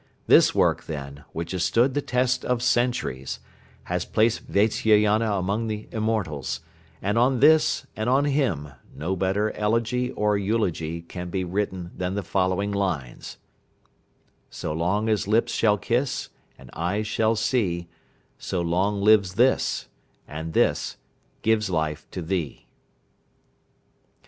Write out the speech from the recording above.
This work, then, which has stood the test of centuries, has placed Vatsyayana among the immortals, and on This, and on Him no better elegy or eulogy can be written than the following lines: "So long as lips shall kiss, and eyes shall see, So long lives This, and This gives life to Thee."